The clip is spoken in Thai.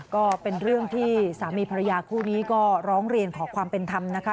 ก็เป็นเรื่องที่สามีภรรยาคู่นี้ก็ร้องเรียนขอความเป็นธรรมนะคะ